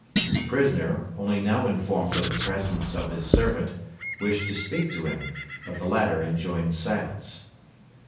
The prisoner, only now informed of the presence of his servant, wished to speak to him, but the latter enjoined silence.